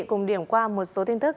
cùng điểm qua một số tin tức